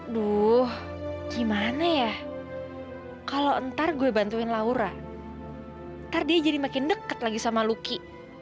duh gimana ya kalau ntar gue bantuin laura ntar dia jadi makin deket lagi sama luki